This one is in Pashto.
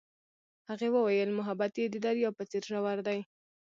هغې وویل محبت یې د دریا په څېر ژور دی.